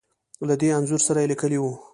له دې انځور سره يې ليکلې وو .